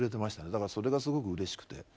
だからそれがすごくうれしくて。